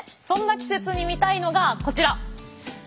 そんな季節に見たいのがこちら。